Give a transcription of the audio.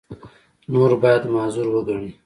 نور باید معذور وګڼي.